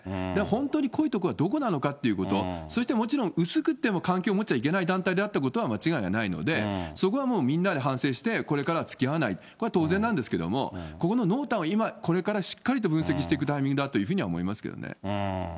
本当に濃い所はどこなのかってこと、そしてもちろん、薄くても関係を持っちゃいけない団体であったことは間違いはないので、そこはもうみんなで反省してこれからはつきあわない、これは当然なんですけども、ここの濃淡を今、これからしっかりと分析していくタイミングだというふうには思いますけどね。